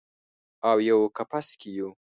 اویو کپس کې یو